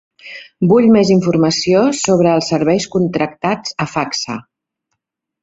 Vull més informació sobre els serveis contractats a Facsa.